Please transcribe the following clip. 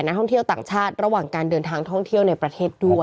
นักท่องเที่ยวต่างชาติระหว่างการเดินทางท่องเที่ยวในประเทศด้วย